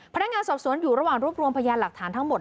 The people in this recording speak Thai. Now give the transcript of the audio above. พนักงานสอบสวนอยู่ระหว่างรวบรวมพยานหลักฐานทั้งหมด